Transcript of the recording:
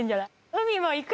海も行く！